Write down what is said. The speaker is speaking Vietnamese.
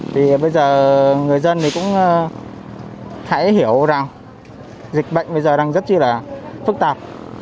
thì bây giờ người dân thì cũng hãy hiểu rằng dịch bệnh bây giờ đang rất là phức tạp